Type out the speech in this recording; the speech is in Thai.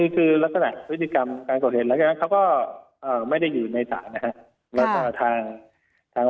คือลักษณะพฤติกรรมการก่อเหตุหลังจากนั้นเขาก็ไม่ได้อยู่ในศาลนะฮะ